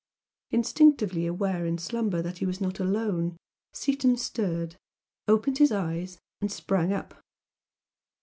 Instinctively aware in slumber that he was not alone, Seaton stirred opened his eyes, and sprang up.